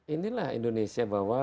inilah indonesia bahwa